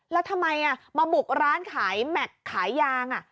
แล้วทำไมมาบุกร้านขายแม็กซ์ขายยาง